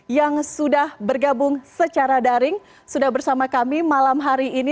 yang sudah bergabung secara daring sudah bersama kami malam hari ini